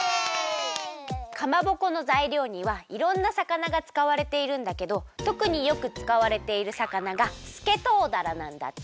かまぼこのざいりょうにはいろんな魚がつかわれているんだけどとくによくつかわれている魚がすけとうだらなんだって！